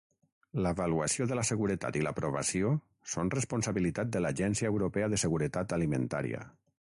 L'avaluació de la seguretat i l'aprovació són responsabilitat de l'Agència Europea de Seguretat Alimentària.